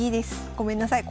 ごめんなさい